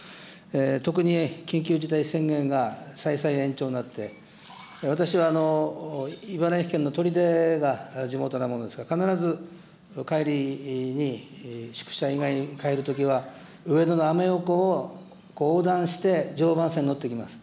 特に緊急事態宣言が、再々延長になって、私は茨城県の取手が地元なものですから、必ず帰りに宿舎以外に帰るときは、上野のアメ横を横断して、常磐線に乗っていきます。